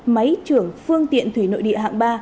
máy trưởng phương tiện thủy nội địa hạng ba